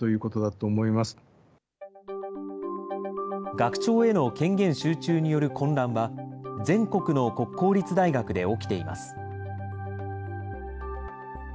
学長への権限集中による混乱は、全国の国公立大学で起きています。